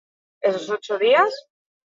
Auzoa Unbe mendiaren magalean dago.